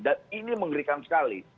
dan ini mengerikan sekali